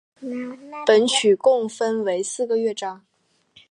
本曲共分为四个乐章。